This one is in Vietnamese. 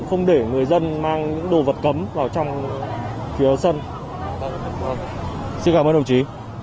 khu vực sân xin cảm ơn đồng chí